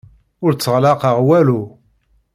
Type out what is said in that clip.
Ur tteɣlaqeɣ walu.